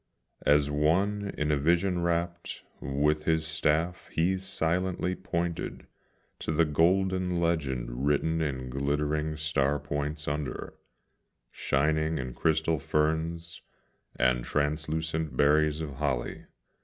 As one in a vision wrapped, with his staff he silently pointed To the golden legend written in glittering star points under, Shining in crystal ferns, and translucent berries of holly.